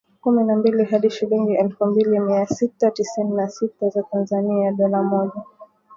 Kumi na mbili) hadi shilingi elfu mbili mia sita tisini na sita za Tanzania (Dola moja.